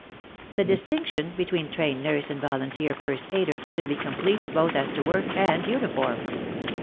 The distinction between trained nurse and volunteer first aider should be complete both as to work and uniform.